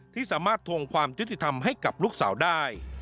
ที่สามารถทวงความยุติธรรมให้กับลูกสาวได้